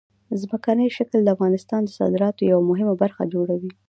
ځمکنی شکل د افغانستان د صادراتو یوه مهمه برخه جوړوي.